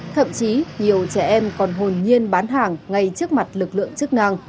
thậm chí nhiều trẻ em còn hồn nhiên bán hàng ngay trước mặt lực lượng chức năng